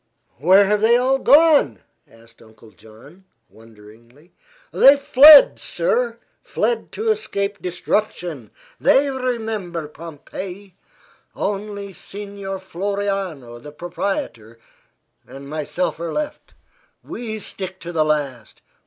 "Where have they all gone?" asked Uncle John, wonderingly. "Fled, sir; fled to escape destruction. They remember Pompeii. Only Signor Floriano, the proprietor, and myself are left. We stick to the last.